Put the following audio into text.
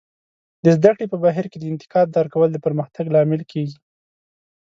د زده کړې په بهیر کې د انتقاد درک کول د پرمختګ لامل کیږي.